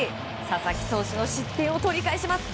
佐々木投手の失点を取り返します。